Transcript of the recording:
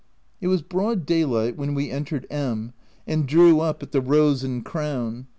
It was broad daylight when we entered M — and drew up at the Rose and Crown.